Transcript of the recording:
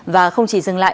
và không chỉ dừng lại